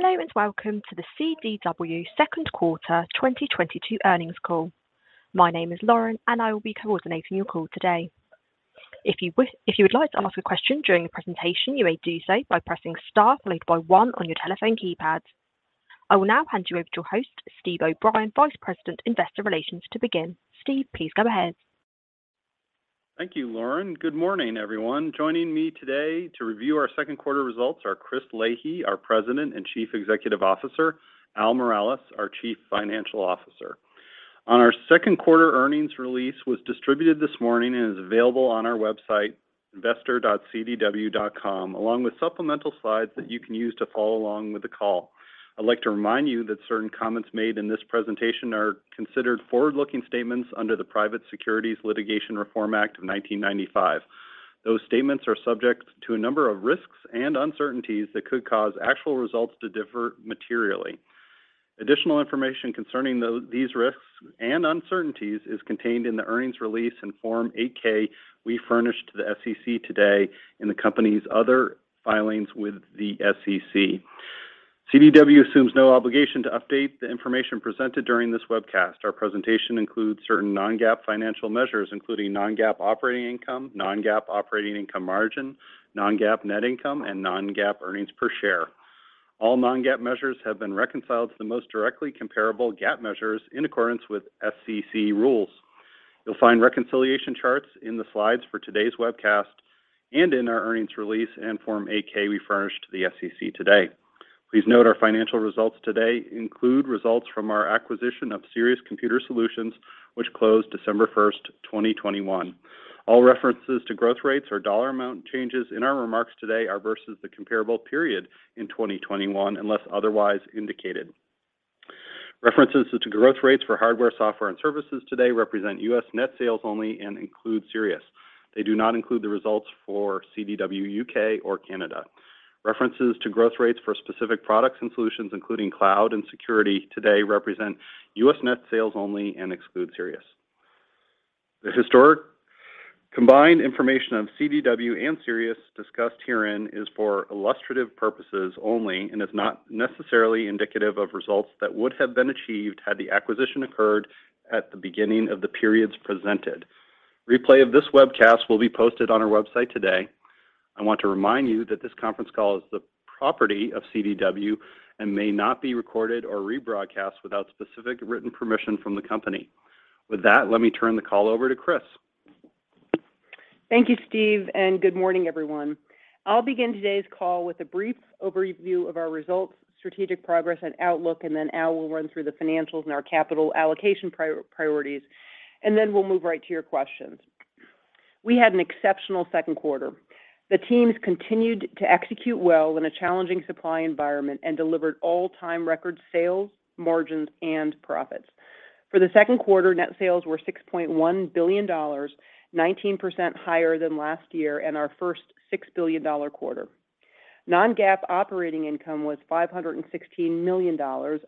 Hello, and welcome to the CDW second quarter 2022 earnings call. My name is Lauren, and I will be coordinating your call today. If you would like to ask a question during the presentation, you may do so by pressing star followed by one on your telephone keypad. I will now hand you over to your host, Steve O'Brien, Vice President, Investor Relations, to begin. Steve, please go ahead. Thank you, Lauren. Good morning, everyone. Joining me today to review our second quarter results are Chris Leahy, our President and Chief Executive Officer; Al Miralles, our Chief Financial Officer. Our second quarter earnings release was distributed this morning and is available on our website, investor.cdw.com, along with supplemental slides that you can use to follow along with the call. I'd like to remind you that certain comments made in this presentation are considered forward-looking statements under the Private Securities Litigation Reform Act of 1995. Those statements are subject to a number of risks and uncertainties that could cause actual results to differ materially. Additional information concerning these risks and uncertainties is contained in the earnings release and Form 8-K we furnished to the SEC today in the Company's other filings with the SEC. CDW assumes no obligation to update the information presented during this webcast. Our presentation includes certain non-GAAP financial measures, including non-GAAP operating income, non-GAAP operating income margin, non-GAAP net income, and non-GAAP earnings per share. All non-GAAP measures have been reconciled to the most directly comparable GAAP measures in accordance with SEC rules. You'll find reconciliation charts in the slides for today's webcast and in our earnings release and Form 8-K we furnished to the SEC today. Please note our financial results today include results from our acquisition of Sirius Computer Solutions, which closed December 1st, 2021. All references to growth rates or dollar amount changes in our remarks today are versus the comparable period in 2021, unless otherwise indicated. References to growth rates for hardware, software, and services today represent U.S. net sales only and include Sirius. They do not include the results for CDW U.K. or Canada. References to growth rates for specific products and solutions, including cloud and security today represent U.S. net sales only and exclude Sirius. The historic combined information of CDW and Sirius discussed herein is for illustrative purposes only and is not necessarily indicative of results that would have been achieved had the acquisition occurred at the beginning of the periods presented. Replay of this webcast will be posted on our website today. I want to remind you that this conference call is the property of CDW and may not be recorded or rebroadcast without specific written permission from the Company. With that, let me turn the call over to Chris Leahy. Thank you, Steve, and good morning, everyone. I'll begin today's call with a brief overview of our results, strategic progress and outlook, and then Al will run through the financials and our capital allocation priorities, and then we'll move right to your questions. We had an exceptional second quarter. The teams continued to execute well in a challenging supply environment and delivered all-time record sales, margins, and profits. For the second quarter, net sales were $6.1 billion, 19% higher than last year and our first $6 billion quarter. non-GAAP operating income was $516 million,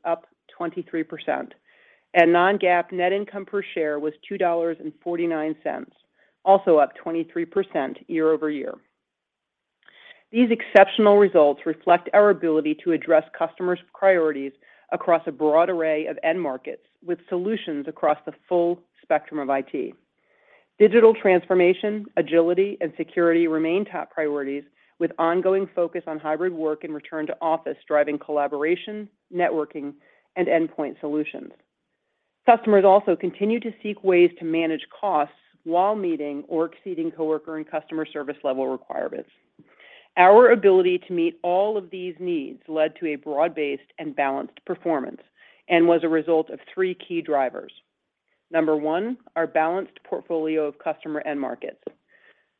up 23%, and non-GAAP net income per share was $2.49, also up 23% year-over-year. These exceptional results reflect our ability to address customers' priorities across a broad array of end markets with solutions across the full spectrum of IT. Digital transformation, agility, and security remain top priorities with ongoing focus on hybrid work and return to office driving collaboration, networking, and endpoint solutions. Customers also continue to seek ways to manage costs while meeting or exceeding coworker and customer service level requirements. Our ability to meet all of these needs led to a broad-based and balanced performance and was a result of three key drivers. Number one, our balanced portfolio of customer end markets.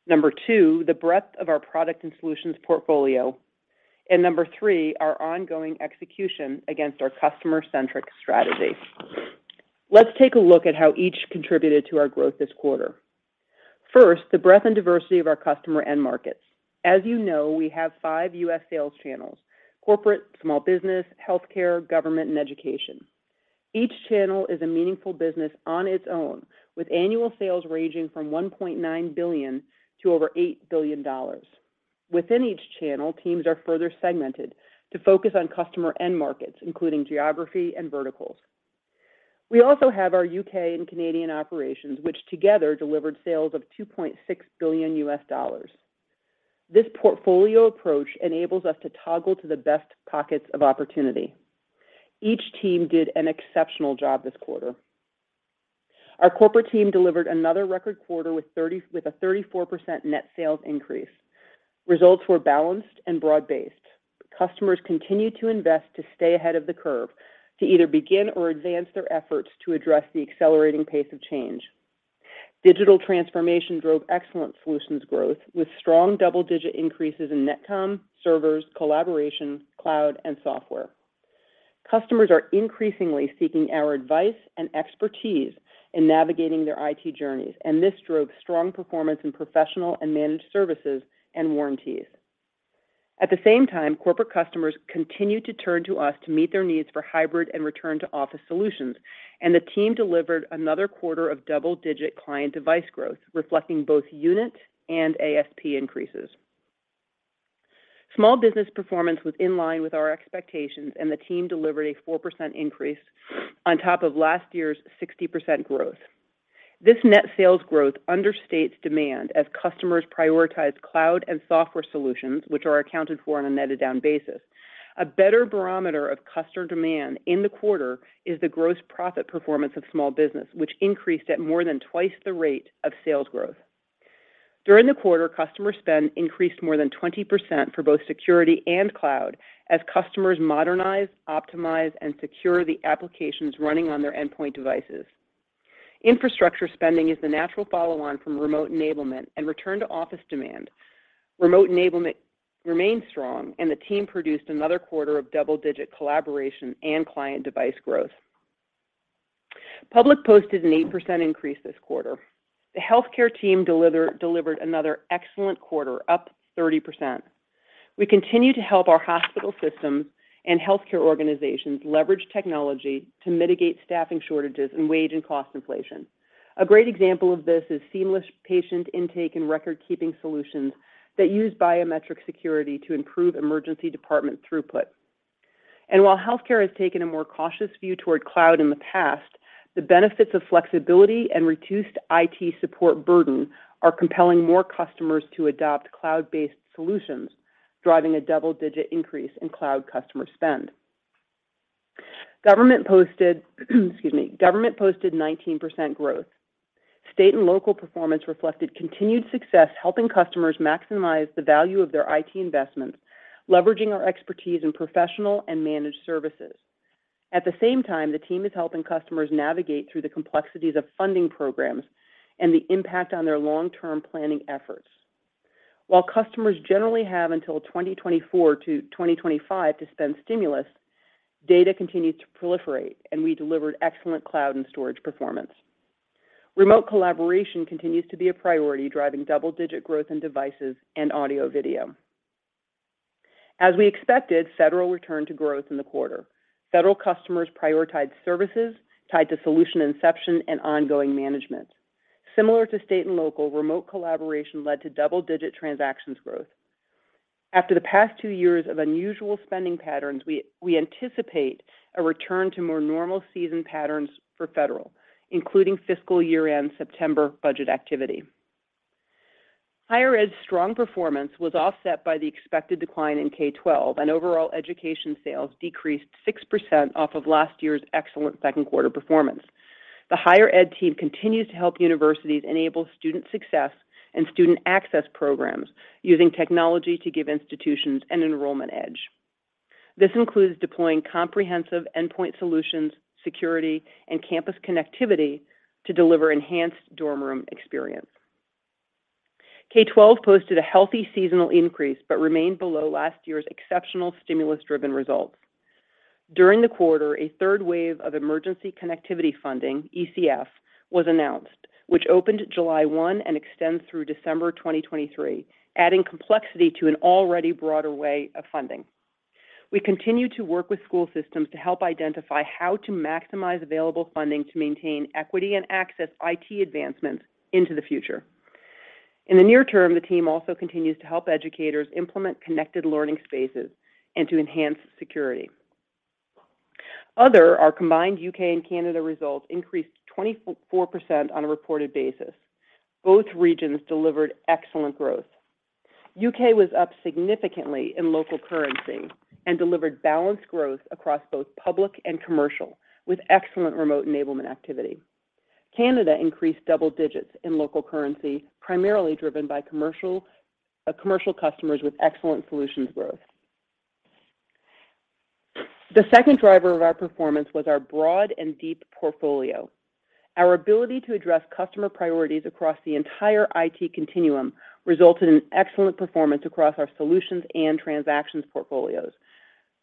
Number two, the breadth of our product and solutions portfolio. Number three, our ongoing execution against our customer-centric strategy. Let's take a look at how each contributed to our growth this quarter. First, the breadth and diversity of our customer end markets. As you know, we have five U.S. sales channels: corporate, small business, healthcare, government, and education. Each channel is a meaningful business on its own, with annual sales ranging from $1.9 billion to over $8 billion. Within each channel, teams are further segmented to focus on customer end markets, including geography and verticals. We also have our U.K. and Canadian operations, which together delivered sales of $2.6 billion. This portfolio approach enables us to toggle to the best pockets of opportunity. Each team did an exceptional job this quarter. Our corporate team delivered another record quarter with a 34% net sales increase. Results were balanced and broad-based. Customers continued to invest to stay ahead of the curve to either begin or advance their efforts to address the accelerating pace of change. Digital transformation drove excellent solutions growth, with strong double-digit increases in NetComm, servers, collaboration, cloud, and software. Customers are increasingly seeking our advice and expertise in navigating their IT journeys, and this drove strong performance in professional and managed services and warranties. At the same time, corporate customers continued to turn to us to meet their needs for hybrid and return to office solutions, and the team delivered another quarter of double-digit client device growth, reflecting both unit and ASP increases. Small business performance was in line with our expectations, and the team delivered a 4% increase on top of last year's 60% growth. This net sales growth understates demand as customers prioritize cloud and software solutions, which are accounted for on a netted down basis. A better barometer of customer demand in the quarter is the gross profit performance of small business, which increased at more than twice the rate of sales growth. During the quarter, customer spend increased more than 20% for both security and cloud as customers modernize, optimize, and secure the applications running on their endpoint devices. Infrastructure spending is the natural follow-on from remote enablement and return to office demand. Remote enablement remains strong, and the team produced another quarter of double-digit collaboration and client device growth. Public posted an 8% increase this quarter. The healthcare team delivered another excellent quarter, up 30%. We continue to help our hospital systems and healthcare organizations leverage technology to mitigate staffing shortages and wage and cost inflation. A great example of this is seamless patient intake and record-keeping solutions that use biometric security to improve emergency department throughput. While healthcare has taken a more cautious view toward cloud in the past, the benefits of flexibility and reduced IT support burden are compelling more customers to adopt cloud-based solutions, driving a double-digit increase in cloud customer spend. Government posted 19% growth. State and local performance reflected continued success, helping customers maximize the value of their IT investments, leveraging our expertise in professional and managed services. At the same time, the team is helping customers navigate through the complexities of funding programs and the impact on their long-term planning efforts. While customers generally have until 2024 to 2025 to spend stimulus, data continued to proliferate, and we delivered excellent cloud and storage performance. Remote collaboration continues to be a priority, driving double-digit growth in devices and audio-video. As we expected, Federal returned to growth in the quarter. Federal customers prioritized services tied to solution inception and ongoing management. Similar to state and local, remote collaboration led to double-digit transactions growth. After the past two years of unusual spending patterns, we anticipate a return to more normal seasonal patterns for Federal, including fiscal year-end September budget activity. Higher ed's strong performance was offset by the expected decline in K-12, and overall education sales decreased 6% off of last year's excellent second quarter performance. The higher ed team continues to help universities enable student success and student access programs using technology to give institutions an enrollment edge. This includes deploying comprehensive endpoint solutions, security, and campus connectivity to deliver enhanced dorm room experience. K-12 posted a healthy seasonal increase but remained below last year's exceptional stimulus-driven results. During the quarter, a third wave of Emergency Connectivity Funding, ECF, was announced, which opened July 1 and extends through December 2023, adding complexity to an already broader way of funding. We continue to work with school systems to help identify how to maximize available funding to maintain equity and access IT advancements into the future. In the near term, the team also continues to help educators implement connected learning spaces and to enhance security. Our combined U.K. and Canada results increased 24% on a reported basis. Both regions delivered excellent growth. U.K. was up significantly in local currency and delivered balanced growth across both public and commercial, with excellent remote enablement activity. Canada increased double digits in local currency, primarily driven by commercial customers with excellent solutions growth. The second driver of our performance was our broad and deep portfolio. Our ability to address customer priorities across the entire IT continuum resulted in excellent performance across our solutions and transactions portfolios.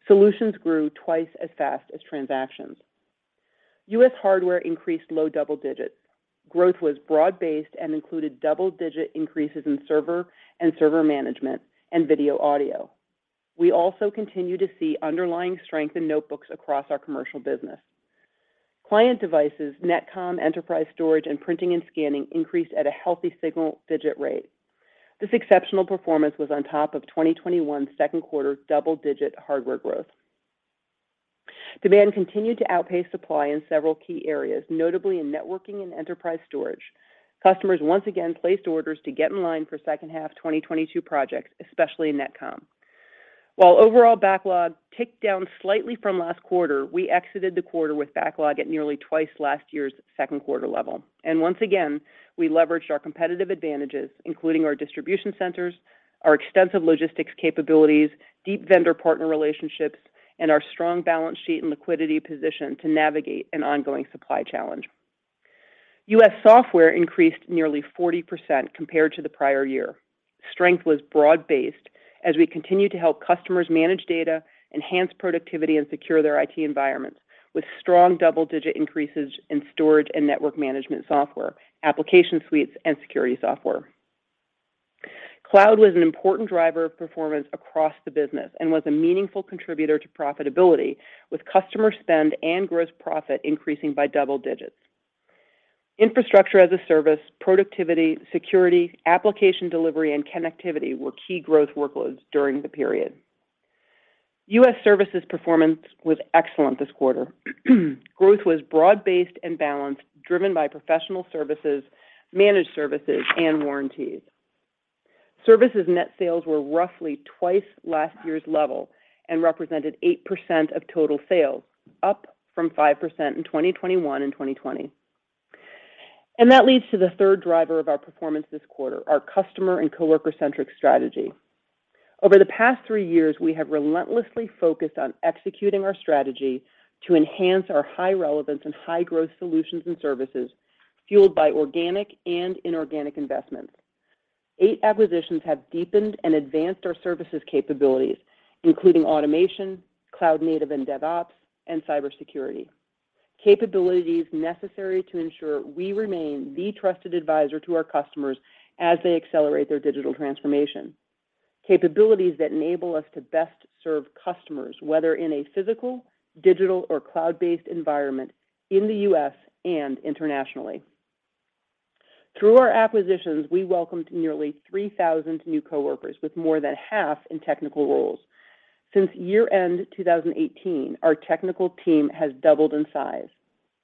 Solutions grew twice as fast as transactions. U.S. hardware increased low double digits. Growth was broad-based and included double-digit increases in server and server management and video audio. We also continue to see underlying strength in notebooks across our commercial business. Client devices, NetComm, enterprise storage, and printing and scanning increased at a healthy single-digit rate. This exceptional performance was on top of 2021 second quarter double-digit hardware growth. Demand continued to outpace supply in several key areas, notably in networking and enterprise storage. Customers once again placed orders to get in line for second half 2022 projects, especially in NetComm. While overall backlog ticked down slightly from last quarter, we exited the quarter with backlog at nearly twice last year's second quarter level. Once again, we leveraged our competitive advantages, including our distribution centers, our extensive logistics capabilities, deep vendor partner relationships, and our strong balance sheet and liquidity position to navigate an ongoing supply challenge. U.S. software increased nearly 40% compared to the prior year. Strength was broad-based as we continued to help customers manage data, enhance productivity, and secure their IT environments with strong double-digit increases in storage and network management software, application suites, and security software. Cloud was an important driver of performance across the business and was a meaningful contributor to profitability with customer spend and gross profit increasing by double digits. Infrastructure-as-a-Service, productivity, security, application delivery, and connectivity were key growth workloads during the period. U.S. services performance was excellent this quarter. Growth was broad-based and balanced, driven by professional services, managed services, and warranties. Services net sales were roughly twice last year's level and represented 8% of total sales, up from 5% in 2021 and 2020. That leads to the third driver of our performance this quarter, our customer and coworker-centric strategy. Over the past three years, we have relentlessly focused on executing our strategy to enhance our high relevance and high growth solutions and services fueled by organic and inorganic investments. Eight acquisitions have deepened and advanced our services capabilities, including automation, cloud native and DevOps, and cybersecurity, capabilities necessary to ensure we remain the trusted advisor to our customers as they accelerate their digital transformation, capabilities that enable us to best serve customers, whether in a physical, digital, or cloud-based environment in the U.S. and internationally. Through our acquisitions, we welcomed nearly 3,000 new coworkers with more than half in technical roles. Since year-end 2018, our technical team has doubled in size.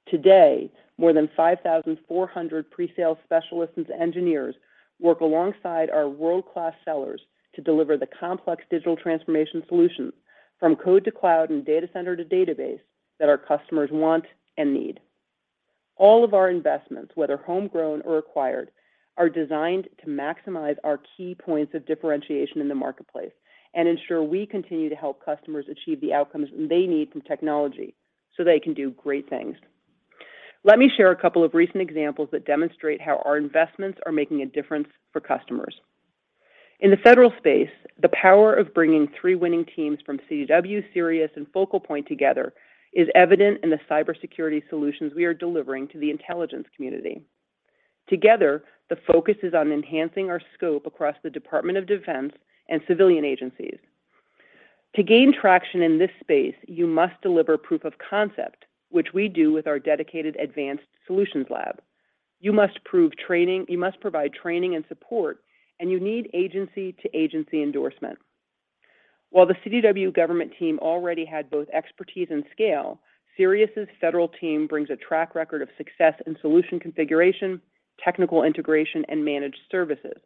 Today, more than 5,400 pre-sale specialists and engineers work alongside our world-class sellers to deliver the complex digital transformation solutions from code to cloud and data center to database that our customers want and need. All of our investments, whether homegrown or acquired, are designed to maximize our key points of differentiation in the marketplace and ensure we continue to help customers achieve the outcomes they need from technology so they can do great things. Let me share a couple of recent examples that demonstrate how our investments are making a difference for customers. In the Federal space, the power of bringing three winning teams from CDW, Sirius, and Focal Point together is evident in the cybersecurity solutions we are delivering to the intelligence community. Together, the focus is on enhancing our scope across the Department of Defense and civilian agencies. To gain traction in this space, you must deliver proof of concept, which we do with our dedicated advanced solutions lab. You must provide training and support, and you need agency-to-agency endorsement. While the CDW government team already had both expertise and scale, Sirius's Federal team brings a track record of success in solution configuration, technical integration, and managed services.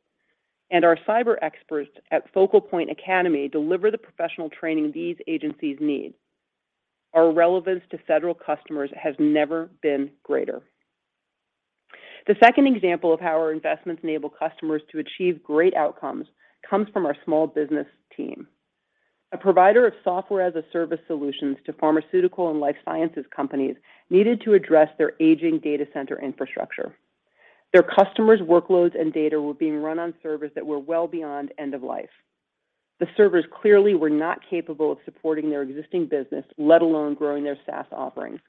Our cyber experts at Focal Point Academy deliver the professional training these agencies need. Our relevance to Federal customers has never been greater. The second example of how our investments enable customers to achieve great outcomes comes from our small business team. A provider of software-as-a-service solutions to pharmaceutical and life sciences companies needed to address their aging data center infrastructure. Their customers' workloads and data were being run on servers that were well beyond end of life. The servers clearly were not capable of supporting their existing business, let alone growing their SaaS offerings.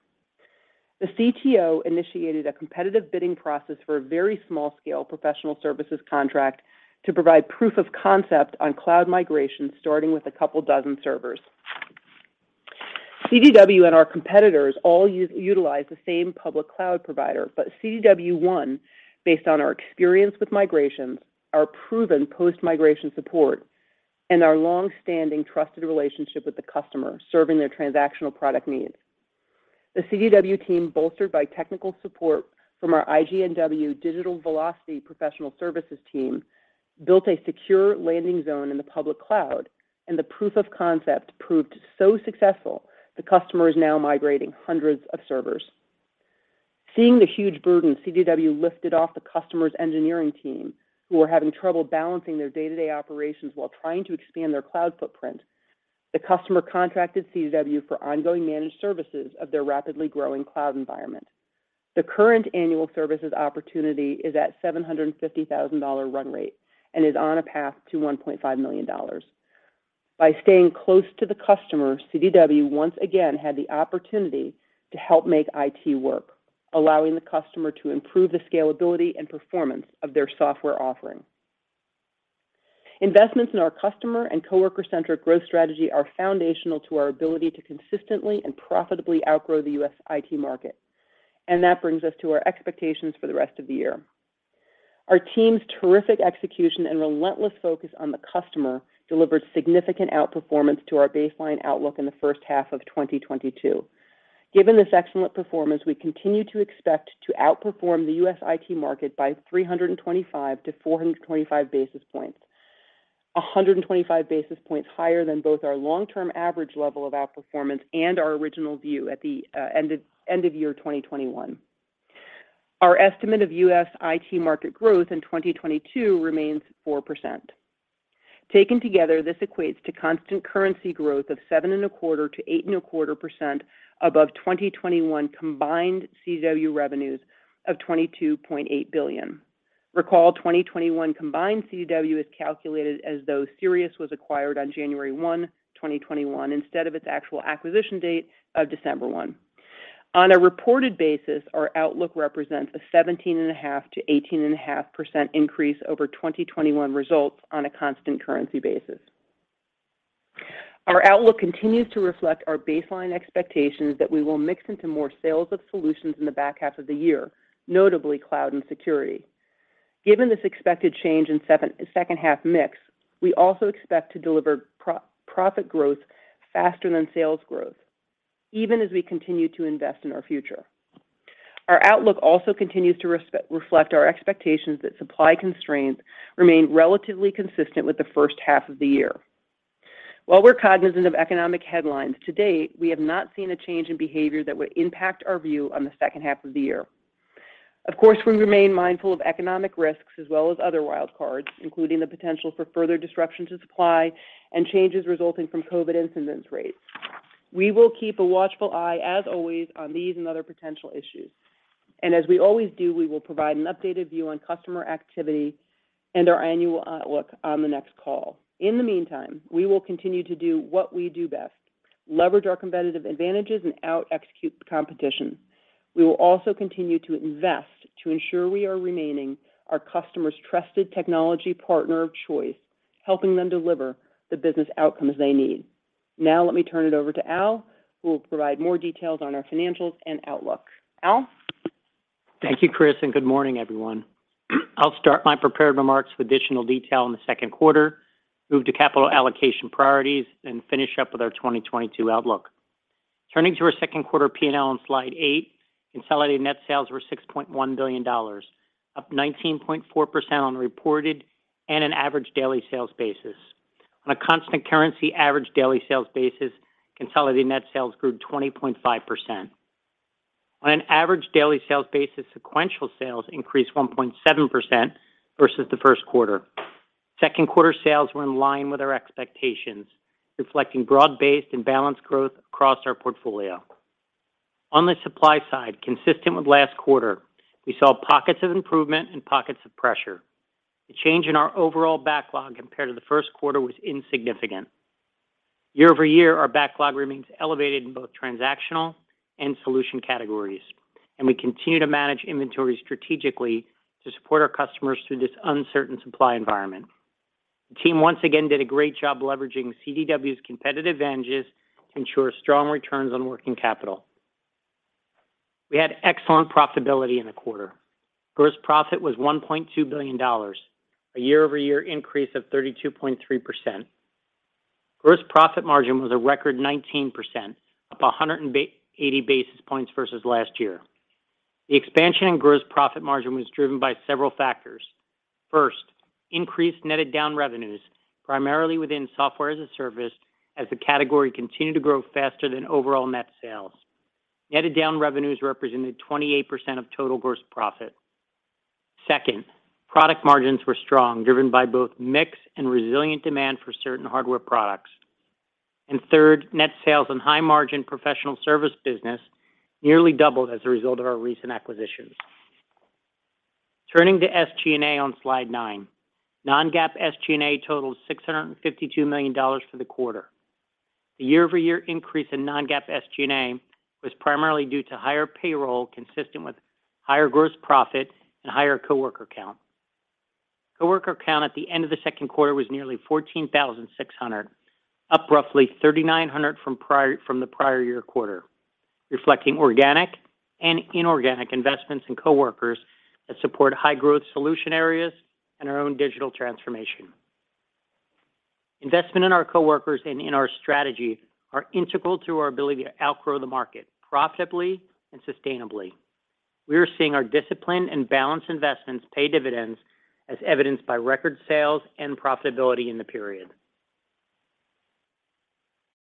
The CTO initiated a competitive bidding process for a very small-scale professional services contract to provide proof of concept on cloud migration, starting with a couple dozen servers. CDW and our competitors all utilize the same public cloud provider, but CDW won based on our experience with migrations, our proven post-migration support, and our long-standing trusted relationship with the customer serving their transactional product needs. The CDW team, bolstered by technical support from our IGNW, Digital Velocity professional services team, built a secure landing zone in the public cloud, and the proof of concept proved so successful the customer is now migrating hundreds of servers. Seeing the huge burden CDW lifted off the customer's engineering team, who were having trouble balancing their day-to-day operations while trying to expand their cloud footprint, the customer contracted CDW for ongoing managed services of their rapidly growing cloud environment. The current annual services opportunity is at $750,000 run rate and is on a path to $1.5 million. By staying close to the customer, CDW once again had the opportunity to help make IT work, allowing the customer to improve the scalability and performance of their software offering. Investments in our customer and coworker-centric growth strategy are foundational to our ability to consistently and profitably outgrow the U.S. IT market. That brings us to our expectations for the rest of the year. Our team's terrific execution and relentless focus on the customer delivered significant outperformance to our baseline outlook in the first half of 2022. Given this excellent performance, we continue to expect to outperform the U.S. IT market by 325-425 basis points, 125 basis points higher than both our long-term average level of outperformance and our original view at the end of year 2021. Our estimate of U.S. IT market growth in 2022 remains 4%. Taken together, this equates to constant currency growth of 7.25%-8.25% above 2021 combined CDW revenues of $22.8 billion. Recall 2021 combined CDW is calculated as though Sirius was acquired on January 1, 2021, instead of its actual acquisition date of December 1. On a reported basis, our outlook represents a 17.5%-18.5% increase over 2021 results on a constant currency basis. Our outlook continues to reflect our baseline expectations that we will mix into more sales of solutions in the back half of the year, notably cloud and security. Given this expected change in second half mix, we also expect to deliver profit growth faster than sales growth, even as we continue to invest in our future. Our outlook also continues to reflect our expectations that supply constraints remain relatively consistent with the first half of the year. While we're cognizant of economic headlines, to date, we have not seen a change in behavior that would impact our view on the second half of the year. Of course, we remain mindful of economic risks as well as other wild cards, including the potential for further disruption to supply and changes resulting from COVID incidence rates. We will keep a watchful eye, as always, on these and other potential issues. As we always do, we will provide an updated view on customer activity and our annual outlook on the next call. In the meantime, we will continue to do what we do best, leverage our competitive advantages and out execute competition. We will also continue to invest to ensure we are remaining our customers' trusted technology partner of choice, helping them deliver the business outcomes they need. Now let me turn it over to Al, who will provide more details on our financials and outlook. Al. Thank you, Chris, and good morning, everyone. I'll start my prepared remarks with additional detail on the second quarter, move to capital allocation priorities, and finish up with our 2022 outlook. Turning to our second quarter P&L on slide eight, consolidated net sales were $6.1 billion, up 19.4% on a reported and an average daily sales basis. On a constant currency average daily sales basis, consolidated net sales grew 20.5%. On an average daily sales basis, sequential sales increased 1.7% versus the first quarter. Second quarter sales were in line with our expectations, reflecting broad-based and balanced growth across our portfolio. On the supply side, consistent with last quarter, we saw pockets of improvement and pockets of pressure. The change in our overall backlog compared to the first quarter was insignificant. Year-over-year, our backlog remains elevated in both transactional and solution categories, and we continue to manage inventory strategically to support our customers through this uncertain supply environment. The team once again did a great job leveraging CDW's competitive advantages to ensure strong returns on working capital. We had excellent profitability in the quarter. Gross profit was $1.2 billion, a year-over-year increase of 32.3%. Gross profit margin was a record 19%, up 180 basis points versus last year. The expansion in gross profit margin was driven by several factors. First, increased netted down revenues, primarily within software-as-a-service, as the category continued to grow faster than overall net sales. Netted down revenues represented 28% of total gross profit. Second, product margins were strong, driven by both mix and resilient demand for certain hardware products. Third, net sales and high-margin professional service business nearly doubled as a result of our recent acquisitions. Turning to SG&A on slide nine. Non-GAAP SG&A totaled $652 million for the quarter. The year-over-year increase in non-GAAP SG&A was primarily due to higher payroll consistent with higher gross profit and higher coworker count. Coworker count at the end of the second quarter was nearly 14,600, up roughly 3,900 from the prior year quarter, reflecting organic and inorganic investments in coworkers that support high-growth solution areas and our own digital transformation. Investment in our coworkers and in our strategy are integral to our ability to outgrow the market profitably and sustainably. We are seeing our disciplined and balanced investments pay dividends as evidenced by record sales and profitability in the period.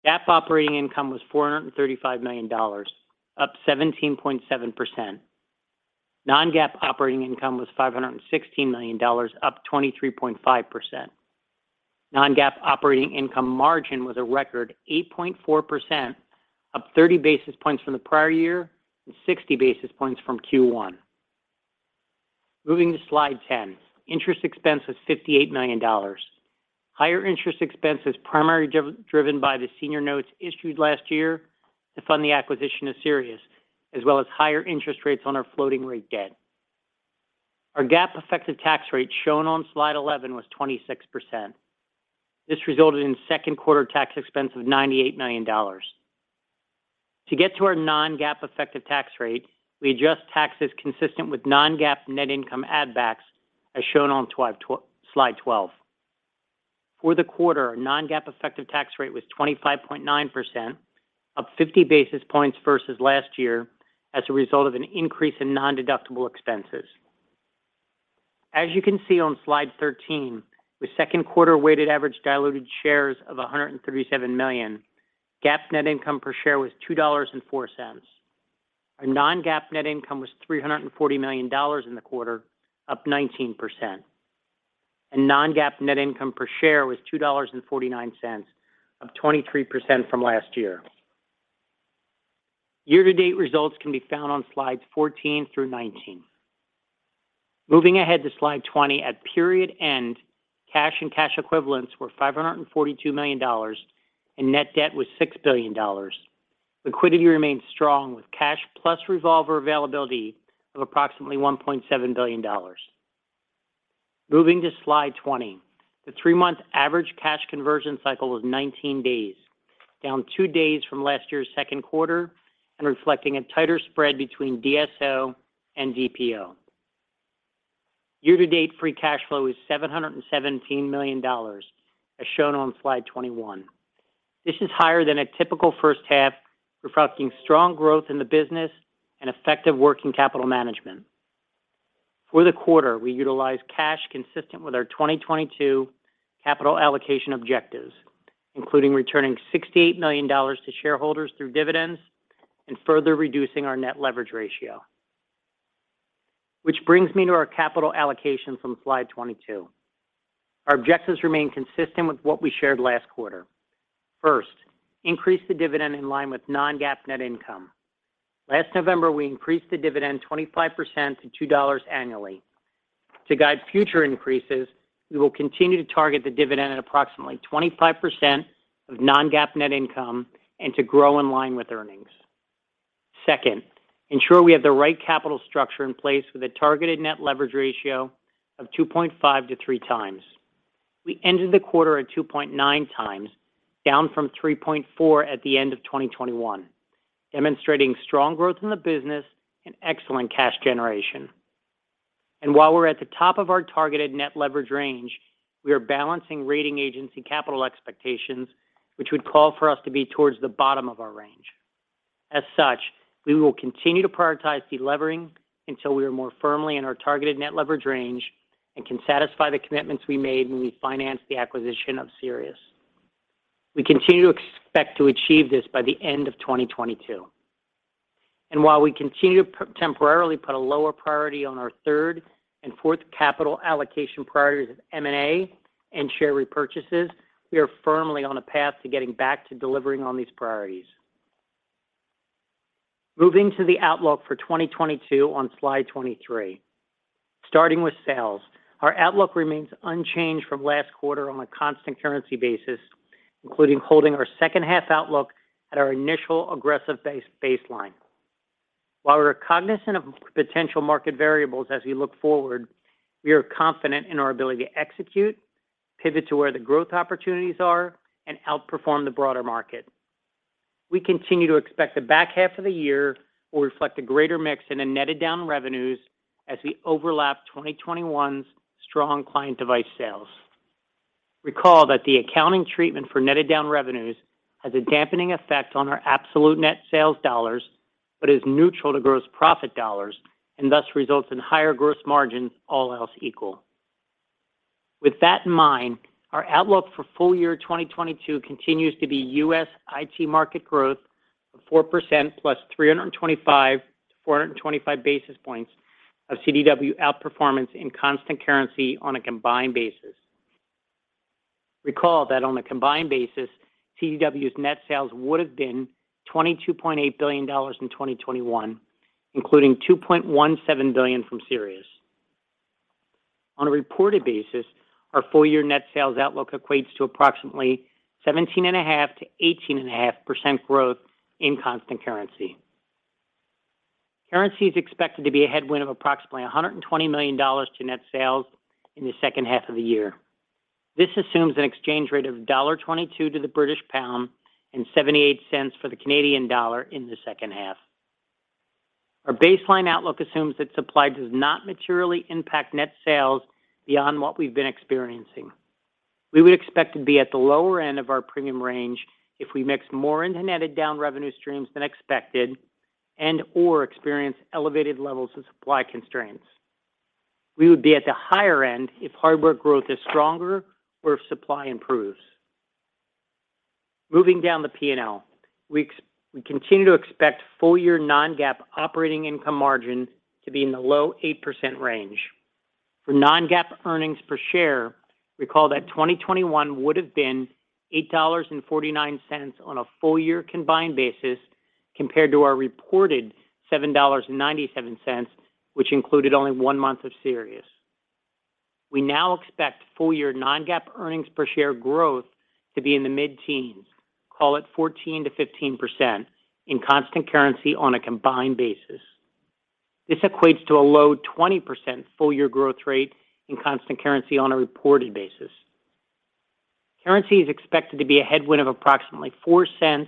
GAAP operating income was $435 million, up 17.7%. Non-GAAP operating income was $516 million, up 23.5%. Non-GAAP operating income margin was a record 8.4%, up 30 basis points from the prior year and 60 basis points from Q1. Moving to slide 10, interest expense was $58 million. Higher interest expense is primarily driven by the senior notes issued last year to fund the acquisition of Sirius, as well as higher interest rates on our floating rate debt. Our GAAP effective tax rate shown on slide 11 was 26%. This resulted in second quarter tax expense of $98 million. To get to our non-GAAP effective tax rate, we adjust taxes consistent with non-GAAP net income add backs as shown on slide 12. For the quarter, our non-GAAP effective tax rate was 25.9%, up 50 basis points versus last year as a result of an increase in nondeductible expenses. As you can see on slide 13, the second quarter weighted average diluted shares of 137 million, GAAP net income per share was $2.04. Our non-GAAP net income was $340 million in the quarter, up 19%. non-GAAP net income per share was $2.49, up 23% from last year. Year-to-date results can be found on slides 14 through 19. Moving ahead to slide 20, at period end, cash and cash equivalents were $542 million, and net debt was $6 billion. Liquidity remains strong with cash plus revolver availability of approximately $1.7 billion. Moving to slide 20. The three-month average cash conversion cycle was 19 days, down two days from last year's second quarter and reflecting a tighter spread between DSO and DPO. Year-to-date free cash flow is $717 million as shown on slide 21. This is higher than a typical first half, reflecting strong growth in the business and effective working capital management. For the quarter, we utilized cash consistent with our 2022 capital allocation objectives, including returning $68 million to shareholders through dividends and further reducing our net leverage ratio. Which brings me to our capital allocation from slide 22. Our objectives remain consistent with what we shared last quarter. First, increase the dividend in line with non-GAAP net income. Last November, we increased the dividend 25% to $2 annually. To guide future increases, we will continue to target the dividend at approximately 25% of non-GAAP net income and to grow in line with earnings. Second, ensure we have the right capital structure in place with a targeted net leverage ratio of 2.5x-3x. We ended the quarter at 2.9x, down from 3.4 at the end of 2021, demonstrating strong growth in the business and excellent cash generation. While we're at the top of our targeted net leverage range, we are balancing rating agency capital expectations, which would call for us to be towards the bottom of our range. As such, we will continue to prioritize delevering until we are more firmly in our targeted net leverage range and can satisfy the commitments we made when we financed the acquisition of Sirius. We continue to expect to achieve this by the end of 2022. While we continue to temporarily put a lower priority on our third and fourth capital allocation priorities of M&A and share repurchases, we are firmly on a path to getting back to delivering on these priorities. Moving to the outlook for 2022 on slide 23. Starting with sales, our outlook remains unchanged from last quarter on a constant currency basis, including holding our second half outlook at our initial aggressive baseline. While we're cognizant of potential market variables as we look forward, we are confident in our ability to execute, pivot to where the growth opportunities are, and outperform the broader market. We continue to expect the back half of the year will reflect a greater mix in the netted down revenues as we overlap 2021's strong client device sales. Recall that the accounting treatment for netted down revenues has a dampening effect on our absolute net sales dollars, but is neutral to gross profit dollars and thus results in higher gross margins, all else equal. With that in mind, our outlook for full year 2022 continues to be U.S. IT market growth of 4% plus 325-425 basis points of CDW outperformance in constant currency on a combined basis. Recall that on a combined basis, CDW's net sales would have been $22.8 billion in 2021, including $2.17 billion from Sirius. On a reported basis, our full year net sales outlook equates to approximately 17.5%-18.5% growth in constant currency. Currency is expected to be a headwind of approximately $120 million to net sales in the second half of the year. This assumes an exchange rate of $1.22 to the British pound and $0.78 for the Canadian dollar in the second half. Our baseline outlook assumes that supply does not materially impact net sales beyond what we've been experiencing. We would expect to be at the lower end of our premium range if we mix more into netted down revenue streams than expected and/or experience elevated levels of supply constraints. We would be at the higher end if hardware growth is stronger or if supply improves. Moving down the P&L, we continue to expect full year non-GAAP operating income margin to be in the low 8% range. For non-GAAP earnings per share, recall that 2021 would have been $8.49 on a full year combined basis compared to our reported $7.97, which included only one month of Sirius. We now expect full year non-GAAP earnings per share growth to be in the mid-teens, call it 14%-15% in constant currency on a combined basis. This equates to a low 20% full year growth rate in constant currency on a reported basis. Currency is expected to be a headwind of approximately $0.04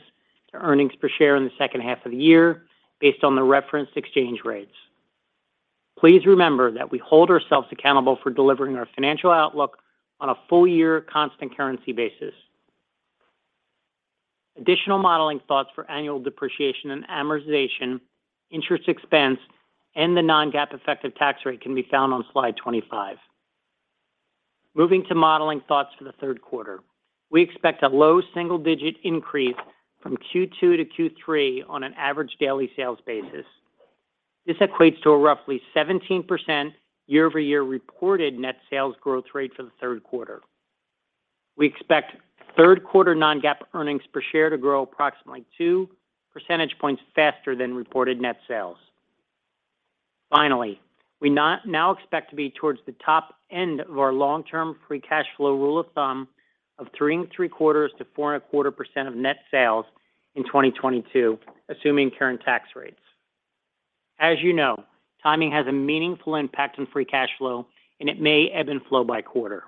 to earnings per share in the second half of the year based on the referenced exchange rates. Please remember that we hold ourselves accountable for delivering our financial outlook on a full year constant currency basis. Additional modeling thoughts for annual depreciation and amortization, interest expense, and the non-GAAP effective tax rate can be found on slide 25. Moving to modeling thoughts for the third quarter. We expect a low single-digit increase from Q2 to Q3 on an average daily sales basis. This equates to a roughly 17% year-over-year reported net sales growth rate for the third quarter. We expect third quarter non-GAAP earnings per share to grow approximately 2 percentage points faster than reported net sales. Finally, we now expect to be towards the top end of our long-term free cash flow rule of thumb of 3.75%-4.25% of net sales in 2022, assuming current tax rates. As you know, timing has a meaningful impact on free cash flow, and it may ebb and flow by quarter.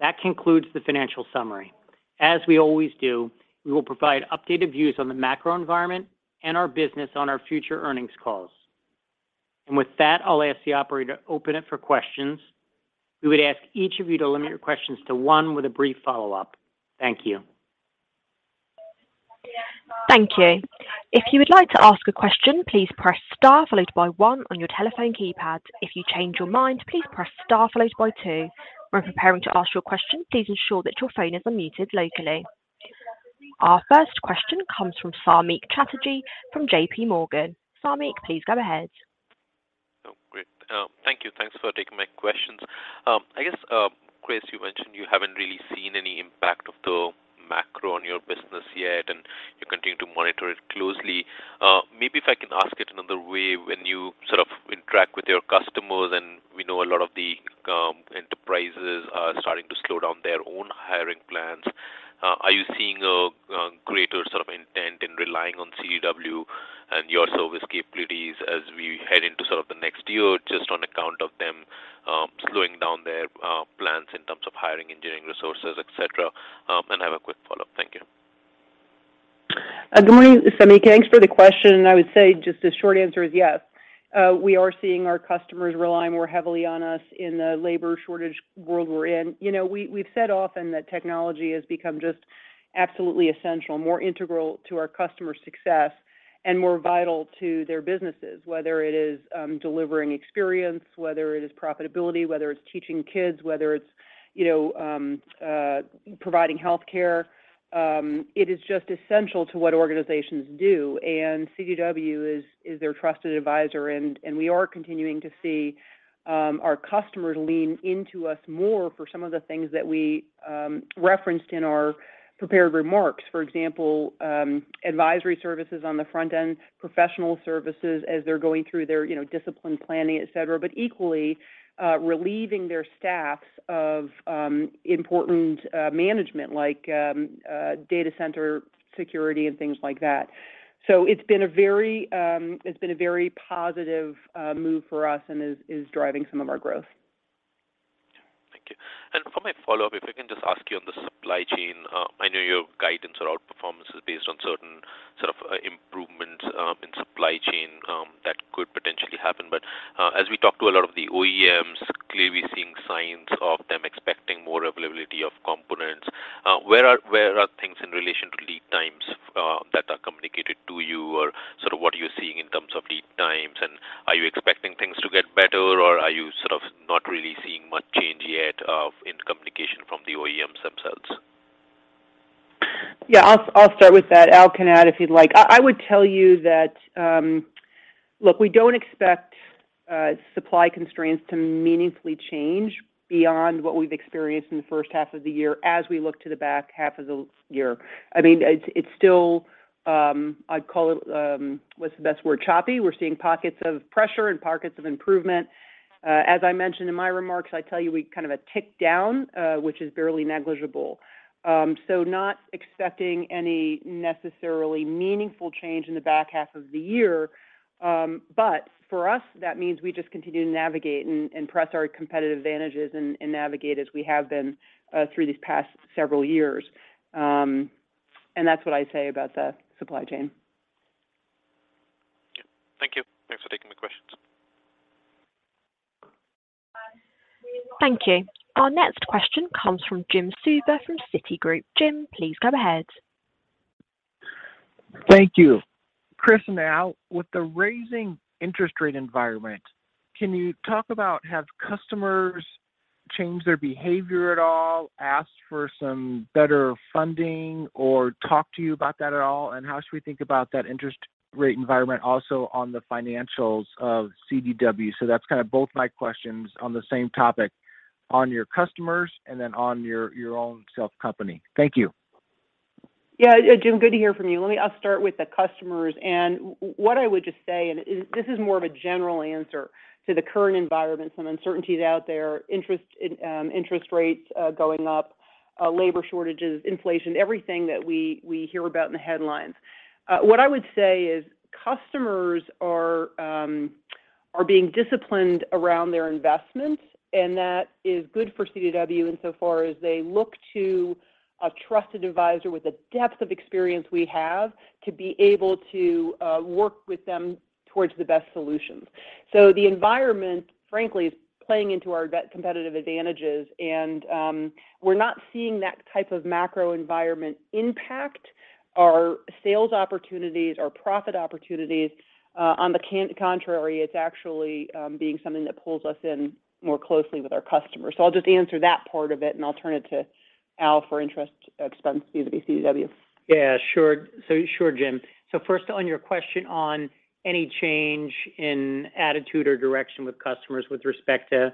That concludes the financial summary. As we always do, we will provide updated views on the macro environment and our business on our future earnings calls. With that, I'll ask the operator to open it for questions. We would ask each of you to limit your questions to one with a brief follow-up. Thank you. Thank you. If you would like to ask a question, please press star followed by one on your telephone keypad. If you change your mind, please press star followed by two. When preparing to ask your question, please ensure that your phone is unmuted locally. Our first question comes from Samik Chatterjee from JPMorgan. Samik, please go ahead. Oh, great. Thank you. Thanks for taking my questions. I guess, Chris, you mentioned you haven't really seen any impact of the macro on your business yet, and you continue to monitor it closely. Maybe if I can ask it another way, when you sort of interact with your customers, and we know a lot of the enterprises are starting to slow down their own hiring plans, are you seeing a greater sort of intent in relying on CDW and your service capabilities as we head into sort of the next year just on account of them slowing down their plans in terms of hiring engineering resources, et cetera? I have a quick follow-up. Thank you. Good morning, Samik. Thanks for the question. I would say just the short answer is yes. We are seeing our customers rely more heavily on us in the labor shortage world we're in. You know, we've said often that technology has become just absolutely essential, more integral to our customer success and more vital to their businesses, whether it is delivering experience, whether it is profitability, whether it's teaching kids, whether it's you know providing health care. It is just essential to what organizations do, and CDW is their trusted advisor, and we are continuing to see our customers lean into us more for some of the things that we referenced in our prepared remarks. For example, advisory services on the front end, professional services as they're going through their you know discipline planning, et cetera. Equally, relieving their staffs of important management like data center security and things like that. It's been a very positive move for us and is driving some of our growth. Thank you. For my follow-up, if I can just ask you on the supply chain, I know your guidance or outperformance is based on certain sort of improvements in supply chain that could potentially happen. As we talk to a lot of the OEMs, clearly we're seeing signs of them expecting more availability of components. Where are things in relation to lead times that are communicated to you, or sort of what are you seeing in terms of lead times? Are you expecting things to get better, or are you sort of not really seeing much change yet in communication from the OEM themselves? Yeah. I'll start with that. Al can add if you'd like. I would tell you that, look, we don't expect supply constraints to meaningfully change beyond what we've experienced in the first half of the year as we look to the back half of the year. I mean, it's still, I'd call it, what's the best word? Choppy. We're seeing pockets of pressure and pockets of improvement. As I mentioned in my remarks, I tell you we kind of a tick down, which is barely negligible. So not expecting any necessarily meaningful change in the back half of the year. But for us, that means we just continue to navigate and press our competitive advantages and navigate as we have been through these past several years. That's what I'd say about the supply chain. Thank you. Thanks for taking the questions. Thank you. Our next question comes from Jim Suva from Citigroup. Jim, please go ahead. Thank you. Chris and Al, with the rising interest rate environment, can you talk about, have customers changed their behavior at all, asked for some better funding, or talked to you about that at all? And how should we think about that interest rate environment also on the financials of CDW? That's kind of both my questions on the same topic on your customers and then on your own self company. Thank you. Yeah. Jim, good to hear from you. I'll start with the customers. What I would just say, this is more of a general answer to the current environment. Some uncertainties out there, interest rates going up, labor shortages, inflation, everything that we hear about in the headlines. What I would say is customers are being disciplined around their investments, and that is good for CDW insofar as they look to a trusted advisor with the depth of experience we have to be able to work with them towards the best solutions. The environment, frankly, is playing into our competitive advantages, and we're not seeing that type of macro environment impact our sales opportunities or profit opportunities. On the contrary, it's actually being something that pulls us in more closely with our customers. I'll just answer that part of it, and I'll turn it to Al for interest expense vis-à-vis CDW. Yeah. Sure, Jim. First, on your question on any change in attitude or direction with customers with respect to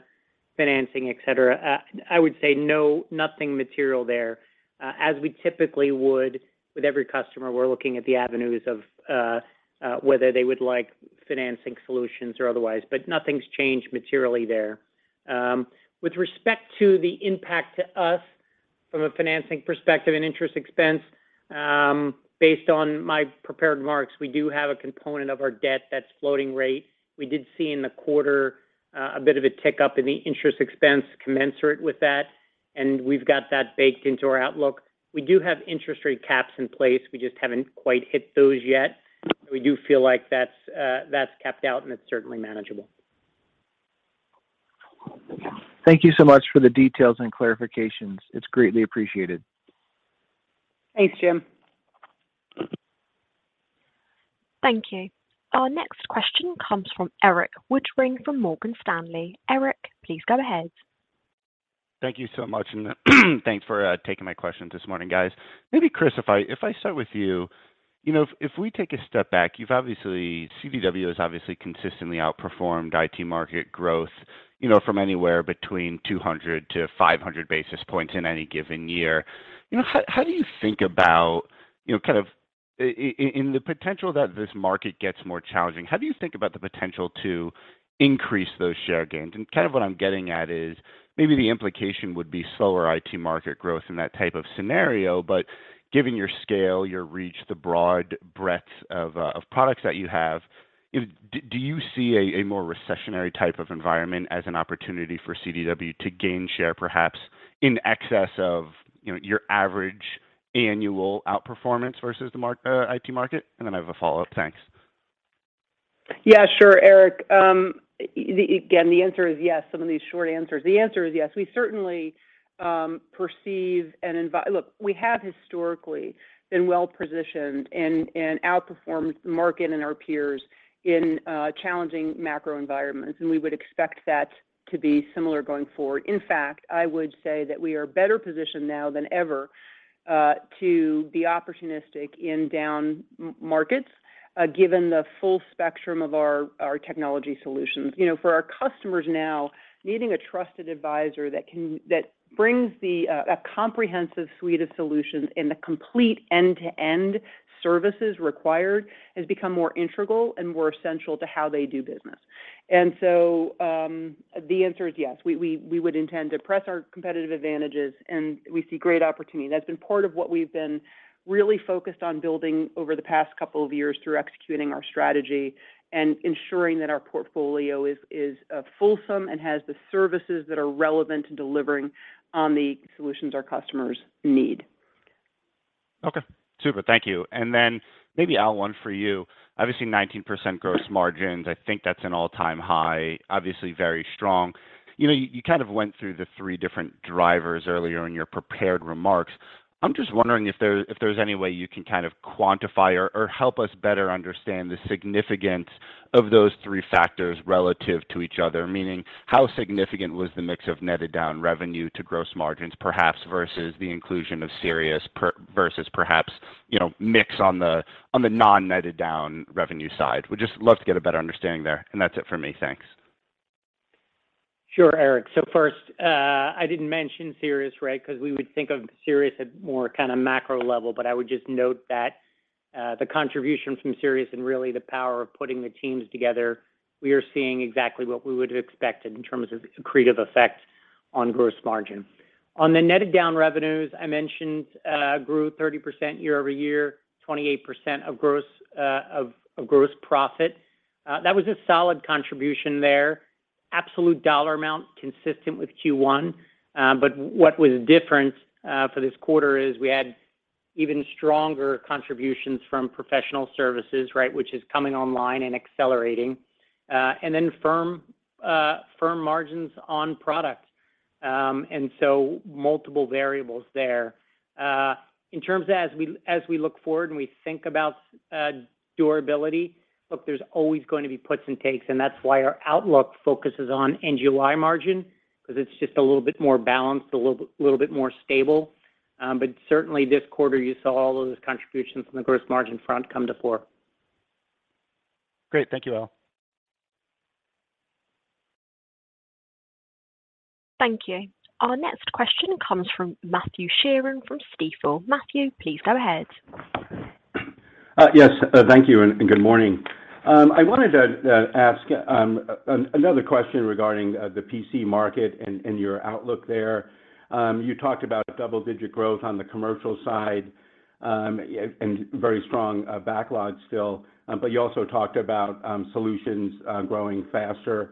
financing, et cetera, I would say no, nothing material there. As we typically would with every customer, we're looking at the avenues of, whether they would like financing solutions or otherwise, but nothing's changed materially there. With respect to the impact to us from a financing perspective and interest expense, based on my prepared remarks, we do have a component of our debt that's floating rate. We did see in the quarter a bit of a tick up in the interest expense commensurate with that, and we've got that baked into our outlook. We do have interest rate caps in place. We just haven't quite hit those yet. We do feel like that's capped out, and it's certainly manageable. Thank you so much for the details and clarifications. It's greatly appreciated. Thanks, Jim. Thank you. Our next question comes from Erik Woodring from Morgan Stanley. Erik, please go ahead. Thank you so much, and thanks for taking my questions this morning, guys. Maybe Chris, if I start with you. You know, if we take a step back, you've obviously CDW has obviously consistently outperformed IT market growth, you know, from anywhere between 200-500 basis points in any given year. You know, how do you think about, you know, kind of in the potential that this market gets more challenging, how do you think about the potential to increase those share gains? Kind of what I'm getting at is maybe the implication would be slower IT market growth in that type of scenario. Given your scale, your reach, the broad breadth of products that you have, do you see a more recessionary type of environment as an opportunity for CDW to gain share, perhaps in excess of, you know, your average annual outperformance versus the IT market? I have a follow-up. Thanks. Yeah, sure, Erik. Again, the answer is yes. Some of these short answers. The answer is yes. We certainly look, we have historically been well-positioned and outperformed the market and our peers in challenging macro environments, and we would expect that to be similar going forward. In fact, I would say that we are better positioned now than ever to be opportunistic in down markets, given the full spectrum of our technology solutions. You know, for our customers now, needing a trusted advisor that can that brings a comprehensive suite of solutions and the complete end-to-end services required, has become more integral and more essential to how they do business. The answer is yes. We would intend to press our competitive advantages, and we see great opportunity. That's been part of what we've been really focused on building over the past couple of years through executing our strategy and ensuring that our portfolio is fulsome and has the services that are relevant to delivering on the solutions our customers need. Okay. Super. Thank you. Maybe, Al, one for you. Obviously, 19% gross margins. I think that's an all-time high, obviously very strong. You know, you kind of went through the three different drivers earlier in your prepared remarks. I'm just wondering if there's any way you can kind of quantify or help us better understand the significance of those three factors relative to each other. Meaning, how significant was the mix of netted down revenue to gross margins, perhaps versus the inclusion of Sirius versus perhaps, you know, mix on the non-netted down revenue side. Would just love to get a better understanding there. That's it for me. Thanks. Sure, Erik. First, I didn't mention Sirius, right, because we would think of Sirius at more kind of macro level. I would just note that, the contribution from Sirius and really the power of putting the teams together, we are seeing exactly what we would have expected in terms of accretive effect on gross margin. On the netted down revenues I mentioned grew 30% year-over-year, 28% of gross profit. That was a solid contribution there. Absolute dollar amount consistent with Q1. What was different for this quarter is we had even stronger contributions from professional services, right, which is coming online and accelerating, and then firmer margins on product. Multiple variables there. In terms of as we look forward and we think about durability, look, there's always going to be puts and takes, and that's why our outlook focuses on non-GAAP margin, because it's just a little bit more balanced, a little bit more stable. Certainly this quarter, you saw all of those contributions from the gross margin front come to the fore. Great. Thank you, Al. Thank you. Our next question comes from Matthew Sheerin from Stifel. Matthew, please go ahead. Yes. Thank you and good morning. I wanted to ask another question regarding the PC market and your outlook there. You talked about double-digit growth on the commercial side and very strong backlogs still, but you also talked about solutions growing faster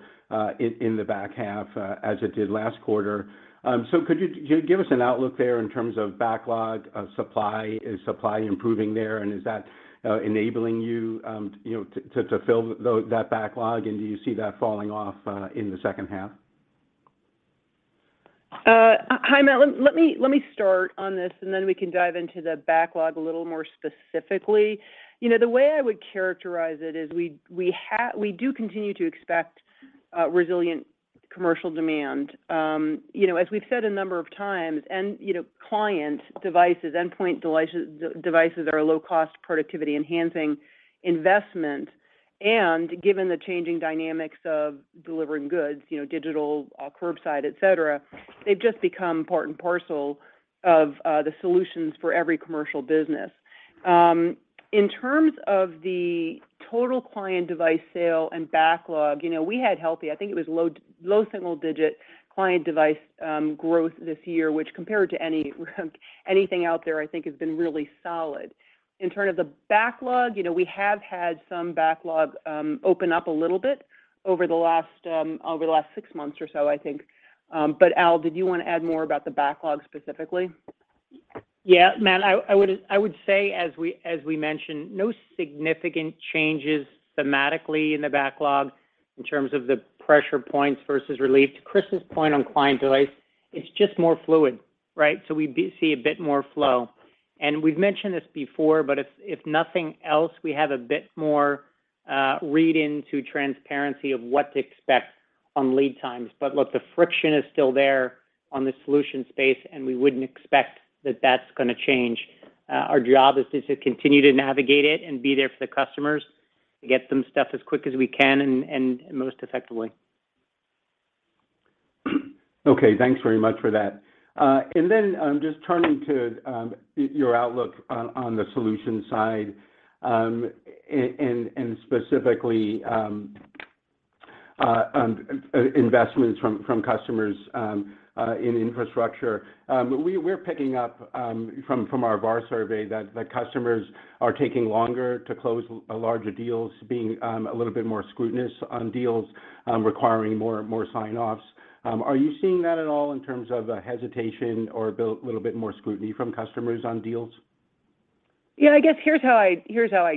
in the back half as it did last quarter. Could you give us an outlook there in terms of backlog of supply? Is supply improving there, and is that enabling you know, to fill that backlog, and do you see that falling off in the second half? Hi, Matt. Let me start on this, and then we can dive into the backlog a little more specifically. You know, the way I would characterize it is we do continue to expect resilient commercial demand. You know, as we've said a number of times, and you know, client devices, endpoint devices are a low-cost productivity enhancing investment. Given the changing dynamics of delivering goods, you know, digital, curbside, et cetera, they've just become part and parcel of the solutions for every commercial business. In terms of the total client device sale and backlog, you know, we had healthy, I think it was low single digit client device growth this year, which compared to anything out there, I think has been really solid. In terms of the backlog, you know, we have had some backlog open up a little bit over the last six months or so, I think. Al, did you want to add more about the backlog specifically? Yeah. Matt, I would say as we mentioned, no significant changes thematically in the backlog in terms of the pressure points versus relief. To Chris's point on client device, it's just more fluid, right? We see a bit more flow. We've mentioned this before, but if nothing else, we have a bit more read into transparency of what to expect on lead times. Look, the friction is still there on the solution space, and we wouldn't expect that that's gonna change. Our job is just to continue to navigate it and be there for the customers to get them stuff as quick as we can and most effectively. Okay, thanks very much for that. Just turning to your outlook on the solution side and specifically investments from customers in infrastructure. We're picking up from our VAR survey that the customers are taking longer to close larger deals, being a little bit more scrutinous on deals, requiring more sign-offs. Are you seeing that at all in terms of a hesitation or a little bit more scrutiny from customers on deals? Yeah, I guess here's how I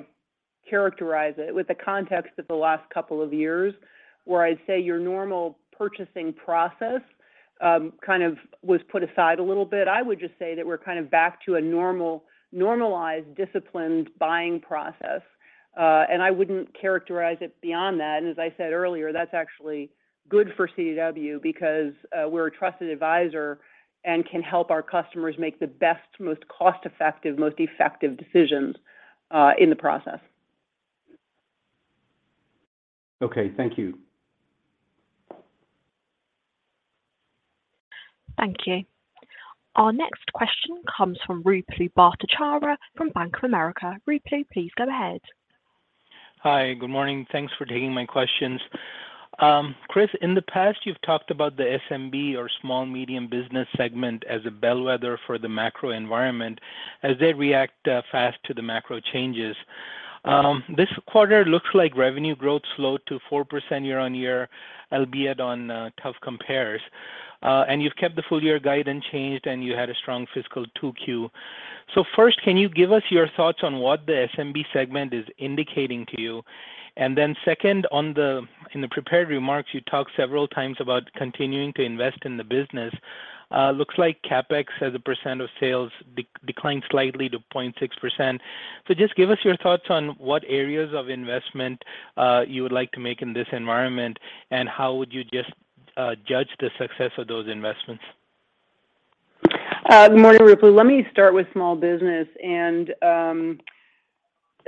characterize it with the context of the last couple of years, where I'd say your normal purchasing process, kind of was put aside a little bit. I would just say that we're kind of back to a normalized, disciplined buying process. I wouldn't characterize it beyond that. As I said earlier, that's actually good for CDW because, we're a trusted advisor and can help our customers make the best, most cost-effective, most effective decisions, in the process. Okay, thank you. Thank you. Our next question comes from Ruplu Bhattacharya from Bank of America. Ruplu, please go ahead. Hi, good morning. Thanks for taking my questions. Chris, in the past, you've talked about the SMB or small medium business segment as a bellwether for the macro environment as they react fast to the macro changes. This quarter looks like revenue growth slowed to 4% year-over-year, albeit on tough compares. You've kept the full-year guide unchanged, and you had a strong fiscal 2Q. First, can you give us your thoughts on what the SMB segment is indicating to you? Then second, in the prepared remarks, you talked several times about continuing to invest in the business. Looks like CapEx as a percent of sales declined slightly to 0.6%. Just give us your thoughts on what areas of investment you would like to make in this environment, and how would you just judge the success of those investments? Good morning, Ruplu. Let me start with small business, and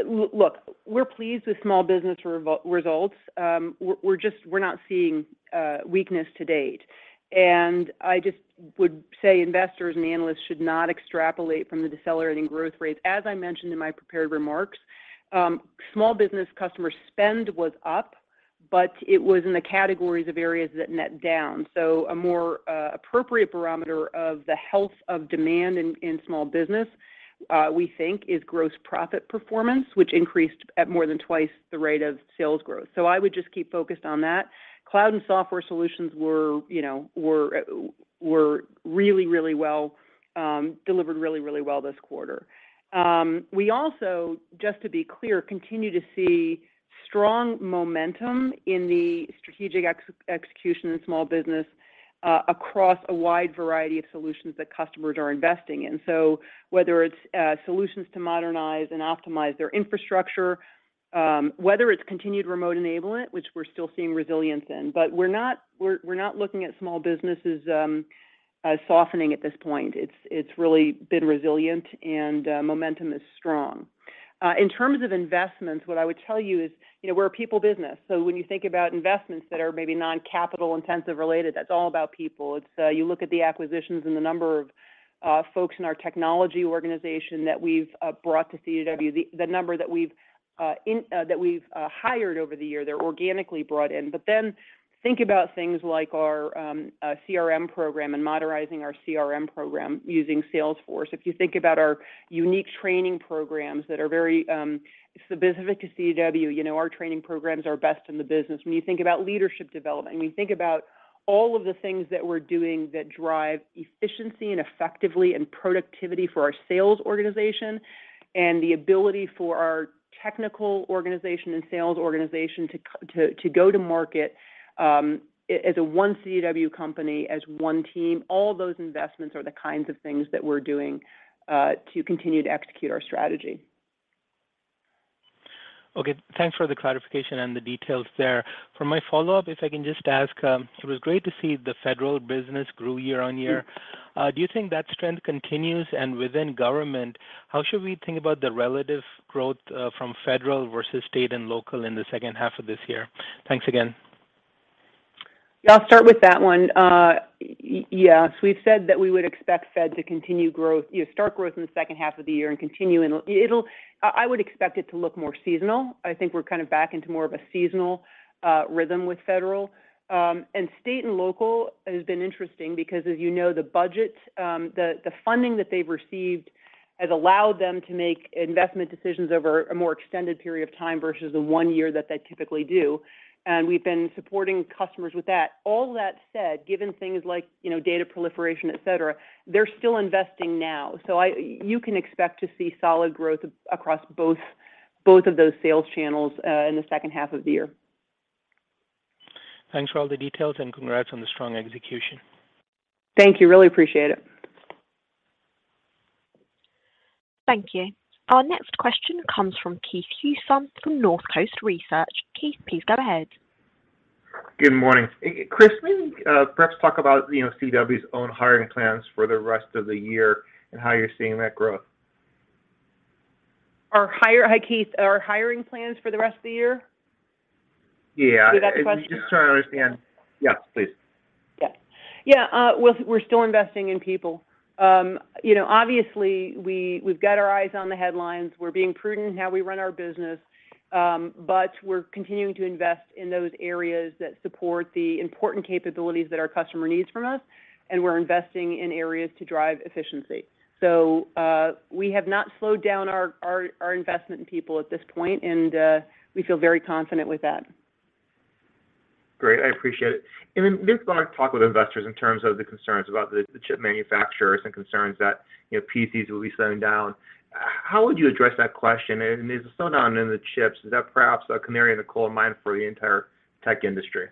look, we're pleased with small business results. We're just not seeing weakness to date. I just would say investors and analysts should not extrapolate from the decelerating growth rates. As I mentioned in my prepared remarks, small business customer spend was up, but it was in the categories of areas that net down. A more appropriate barometer of the health of demand in small business, we think is gross profit performance, which increased at more than twice the rate of sales growth. I would just keep focused on that. Cloud and software solutions were, you know, really well delivered really well this quarter. We also, just to be clear, continue to see strong momentum in the strategic execution in small business, across a wide variety of solutions that customers are investing in. Whether it's solutions to modernize and optimize their infrastructure, whether it's continued remote enablement, which we're still seeing resilience in. We're not looking at small businesses softening at this point. It's really been resilient and momentum is strong. In terms of investments, what I would tell you is, you know, we're a people business. When you think about investments that are maybe non-capital intensive related, that's all about people. It's you look at the acquisitions and the number of folks in our technology organization that we've brought to CDW, the number that we've hired over the year. They're organically brought in. Then think about things like our CRM program and modernizing our CRM program using Salesforce. If you think about our unique training programs that are very specific to CDW, you know, our training programs are best in the business. When you think about leadership development, when you think about all of the things that we're doing that drive efficiency and effectiveness and productivity for our sales organization, and the ability for our technical organization and sales organization to go to market, as one CDW company, as one team, all those investments are the kinds of things that we're doing to continue to execute our strategy. Okay, thanks for the clarification and the details there. For my follow-up, if I can just ask, it was great to see the Federal business grew year on year. Do you think that strength continues? Within government, how should we think about the relative growth from Federal versus state and local in the second half of this year? Thanks again. Yeah, I'll start with that one. Yes, we've said that we would expect Fed to continue growth, you know, start growth in the second half of the year and continue, and it'll. I would expect it to look more seasonal. I think we're kind of back into more of a seasonal rhythm with Federal. State and Local has been interesting because as you know, the budgets, the funding that they've received has allowed them to make investment decisions over a more extended period of time versus the one year that they typically do. We've been supporting customers with that. All that said, given things like, you know, data proliferation, et cetera, they're still investing now. You can expect to see solid growth across both of those sales channels in the second half of the year. Thanks for all the details and congrats on the strong execution. Thank you. Really appreciate it. Thank you. Our next question comes from Keith Housum from North Coast Research. Keith, please go ahead. Good morning. Chris, may you perhaps talk about, you know, CDW's own hiring plans for the rest of the year and how you're seeing that growth? Hi, Keith. Our hiring plans for the rest of the year? Yeah. Can you repeat that question? Just trying to understand. Yes, please. We're still investing in people. You know, obviously we've got our eyes on the headlines. We're being prudent in how we run our business, but we're continuing to invest in those areas that support the important capabilities that our customer needs from us, and we're investing in areas to drive efficiency. We have not slowed down our investment in people at this point, and we feel very confident with that. Great. I appreciate it. This is what I've talked with investors in terms of the concerns about the chip manufacturers and concerns that, you know, PCs will be slowing down. How would you address that question? Is the slowdown in the chips, is that perhaps a canary in the coal mine for the entire tech industry?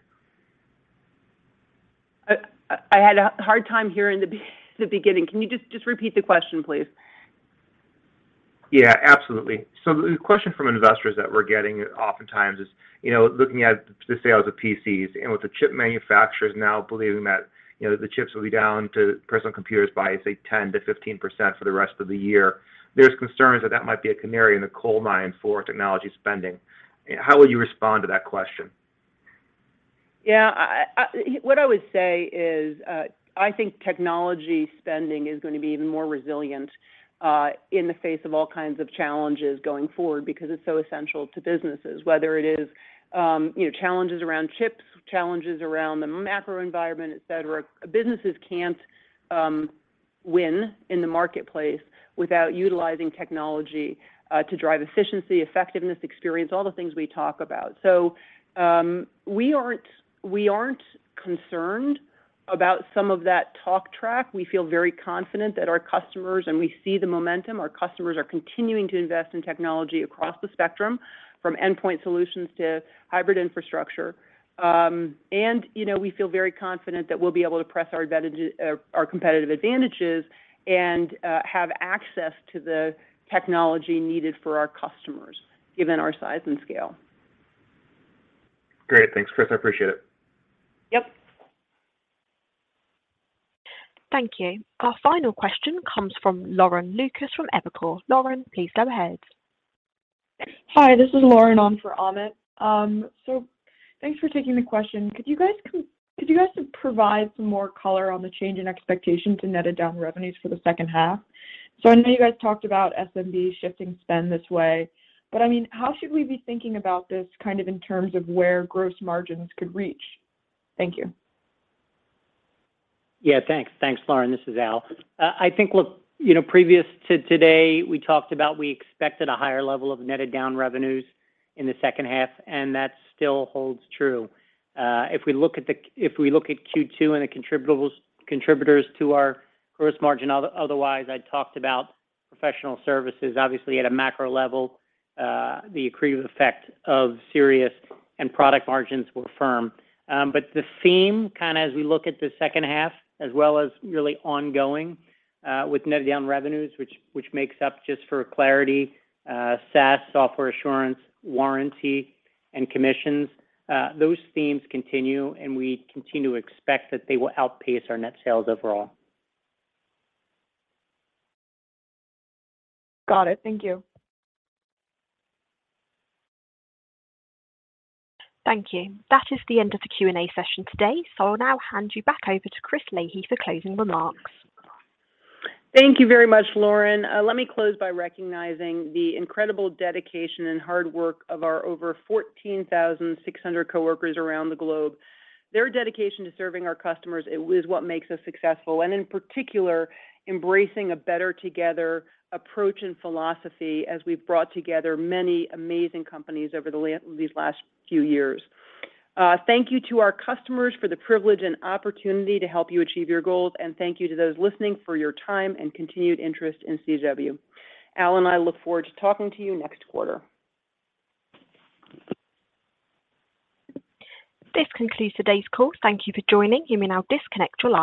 I had a hard time hearing the beginning. Can you just repeat the question, please? Yeah, absolutely. The question from investors that we're getting oftentimes is, you know, looking at the sales of PCs and with the chip manufacturers now believing that, you know, the chips will be down for personal computers by, say, 10%-15% for the rest of the year, there's concerns that that might be a canary in the coal mine for technology spending. How would you respond to that question? Yeah. What I would say is, I think technology spending is gonna be even more resilient in the face of all kinds of challenges going forward because it's so essential to businesses. Whether it is, you know, challenges around chips, challenges around the macro environment, et cetera. Businesses can't win in the marketplace without utilizing technology to drive efficiency, effectiveness, experience, all the things we talk about. We aren't concerned about some of that talk track. We feel very confident that our customers, and we see the momentum, our customers are continuing to invest in technology across the spectrum, from endpoint solutions to hybrid infrastructure. You know, we feel very confident that we'll be able to press our advantage, our competitive advantages and have access to the technology needed for our customers, given our size and scale. Great. Thanks, Chris. I appreciate it. Yep. Thank you. Our final question comes from Lauren Lucas from Evercore. Lauren, please go ahead. Hi, this is Lauren on for Amit. Thanks for taking the question. Could you guys provide some more color on the change in expectation to netted down revenues for the second half? I know you guys talked about SMB shifting spend this way, but, I mean, how should we be thinking about this kind of in terms of where gross margins could reach? Thank you. Yeah, thanks. Thanks, Lauren. This is Al. I think, look, you know, previous to today, we talked about we expected a higher level of netted down revenues in the second half, and that still holds true. If we look at Q2 and the contributors to our gross margin otherwise, I talked about professional services, obviously at a macro level, the accretive effect of Sirius and product margins were firm. The theme kinda as we look at the second half, as well as really ongoing, with netted down revenues, which makes up just for clarity, SaaS, software assurance, warranty, and commissions, those themes continue, and we continue to expect that they will outpace our net sales overall. Got it. Thank you. Thank you. That is the end of the Q&A session today. I'll now hand you back over to Chris Leahy for closing remarks. Thank you very much, Lauren. Let me close by recognizing the incredible dedication and hard work of our over 14,600 coworkers around the globe. Their dedication to serving our customers, it is what makes us successful, and in particular, embracing a better together approach and philosophy as we've brought together many amazing companies over these last few years. Thank you to our customers for the privilege and opportunity to help you achieve your goals, and thank you to those listening for your time and continued interest in CDW. Al and I look forward to talking to you next quarter. This concludes today's call. Thank you for joining. You may now disconnect your line.